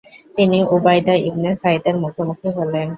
তিনি Ubaida Ibn সাইদের মুখোমুখি হলেন।